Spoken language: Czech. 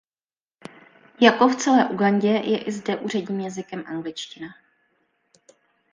Jako v celé Ugandě je i zde úředním jazykem angličtina.